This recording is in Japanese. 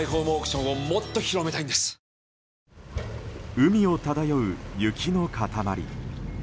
海を漂う雪の塊。